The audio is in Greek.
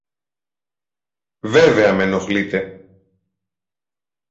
Βέβαια μ' ενοχλείτε!